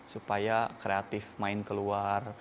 supaya kreatif main keluar